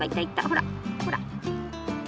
ほらほら。